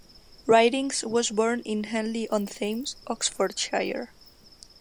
Ridings was born in Henley-on-Thames, Oxfordshire.